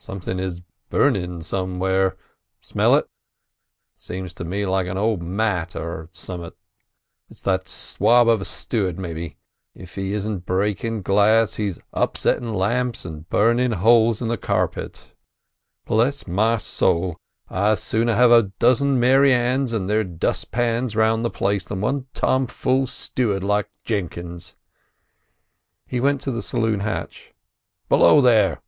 "Something is burning somewhere—smell it? Seems to me like an old mat or summat. It's that swab of a steward, maybe; if he isn't breaking glass, he's upsetting lamps and burning holes in the carpet. Bless my soul, I'd sooner have a dozen Mary Anns an' their dustpans round the place than one tomfool steward like Jenkins." He went to the saloon hatch. "Below there!"